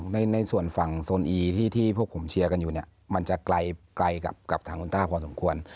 ในส่วนฝั่งโซนอีที่พวกผมเชียร์กันอยู่เนี่ยมันจะไกลกับทางคุณต้าพอสมควร